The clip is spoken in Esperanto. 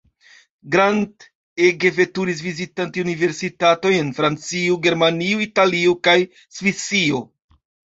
Grant ege veturis, vizitante universitatojn en Francio, Germanio, Italio kaj Svisio.